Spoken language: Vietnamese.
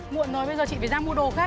muộn nói bây giờ chị phải ra mua đồ khác